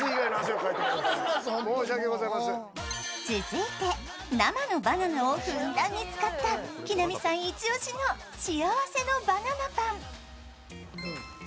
続いて、生のバナナをふんだんに使った木南さん一押しの幸せのバナナぱん。